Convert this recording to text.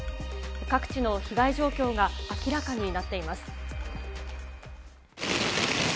各地の被害状況が明らかになっています。